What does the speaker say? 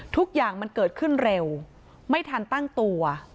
ทุกอย่างมันเกิดขึ้นเร็วไม่ทันตั้งตัว